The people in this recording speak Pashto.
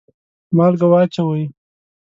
مالګه واچوئ